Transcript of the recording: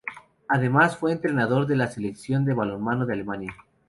Además fue entrenador de la Selección de balonmano de Alemania.